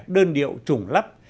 đơn điệu trùng lấp